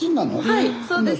はいそうです